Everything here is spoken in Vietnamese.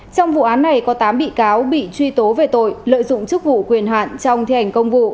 trong vụ án này có tám bị cáo bị truy tố về tội lợi dụng chức vụ quyền hạn trong thi hành công vụ